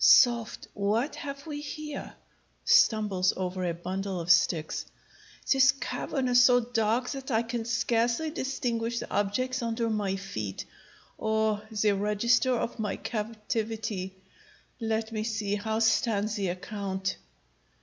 Soft! what have we here! [Stumbles over a bundle of sticks.] This cavern is so dark that I can scarcely distinguish the objects under my feet. Oh, the register of my captivity! Let me see; how stands the account?